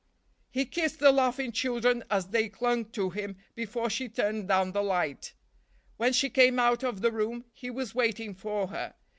He kissed the laughing children as they clung to him, before she turned down the light. When she came out of the room he was waiting for her.